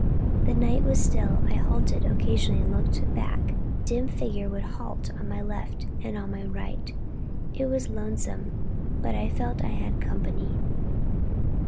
The night was still. I halted occasionally and looked back a dim figure would halt on my left and on my right. It was lonesome, but I felt I had company.